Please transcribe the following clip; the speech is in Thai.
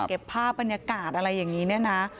เก็บภาพบรรยากาศอะไรอย่างนี้เนี่ยนะ